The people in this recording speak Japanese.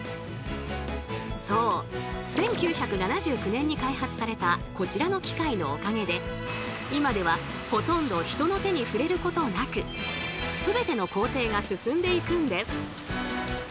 １９７９年に開発されたこちらの機械のおかげで今ではほとんど人の手に触れることなくすべての工程が進んでいくんです。